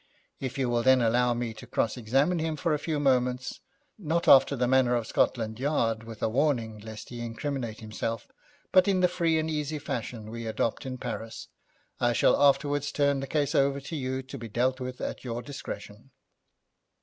If you will then allow me to cross examine him for a few moments, not after the manner of Scotland Yard, with a warning lest he incriminate himself, but in the free and easy fashion we adopt in Paris, I shall afterwards turn the case over to you to be dealt with at your discretion.'